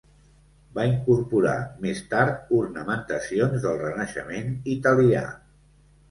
Va incorporar, més tard, ornamentacions del Renaixement italià.